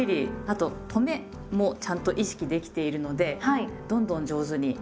あととめもちゃんと意識できているのでどんどん上手になってきていますね。